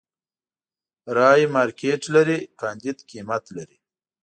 رايې مارکېټ لري، کانديد قيمت لري.